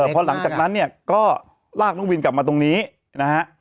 พอหลังจากนั้นเนี่ยก็ลากน้องวินกลับมาตรงนี้นะฮะ